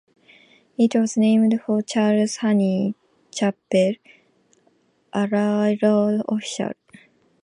It was named for Charles Henry Chappell, a railroad official.